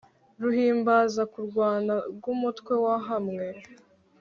Ruhimbaza kurwana rw’umutwe wahamye,